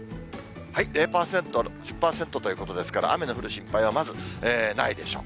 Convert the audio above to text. ０％、１０％ということですから、雨の降る心配はまずないでしょう。